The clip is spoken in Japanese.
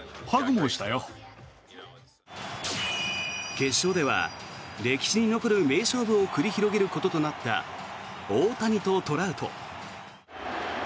決勝では歴史に残る名勝負を繰り広げることとなった大谷とトラウト。